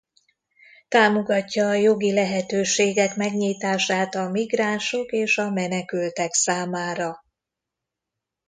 Támogatja a jogi lehetőségek megnyitását a migránsok és a menekültek számára.